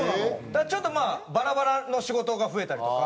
だからちょっとまあバラバラの仕事が増えたりとか。